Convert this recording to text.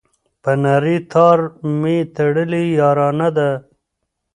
په نري تار مي تړلې یارانه ده